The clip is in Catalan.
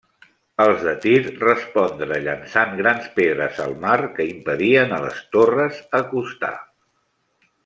Els de Tir respondre llançant grans pedres al mar, que impedien a les torres acostar.